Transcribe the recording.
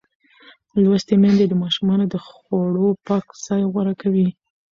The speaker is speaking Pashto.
لوستې میندې د ماشومانو د خوړو پاک ځای غوره کوي.